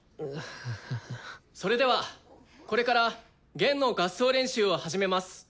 それではこれから弦の合奏練習を始めます。